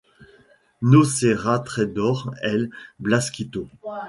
No será traidor el Blasquito?